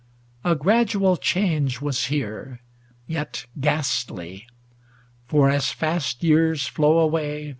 A gradual change was here Yet ghastly. For, as fast years flow away.